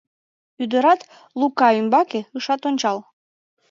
Ӱдырат Лука ӱмбаке ышат ончал.